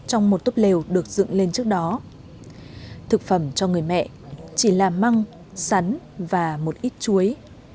trong một túp lều được dựng lên trước đó thực phẩm cho người mẹ chỉ là măng sắn và một ít chuối